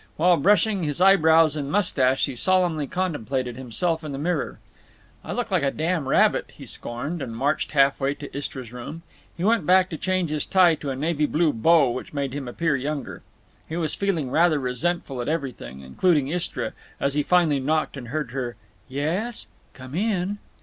While brushing his eyebrows and mustache he solemnly contemplated himself in the mirror. "I look like a damn rabbit," he scorned, and marched half way to Istra's room. He went back to change his tie to a navy blue bow which made him appear younger. He was feeling rather resentful at everything, including Istra, as he finally knocked and heard her "Yes? Come in."